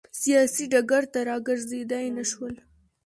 سیاسي ډګر ته راګرځېدای نه شول.